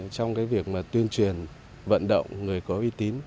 trong việc tuyên truyền vận động người có uy tín